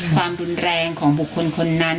ความรุนแรงของบุคคลคนนั้น